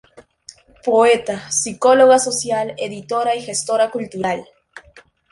Poeta, psicóloga social, editora y gestora cultural.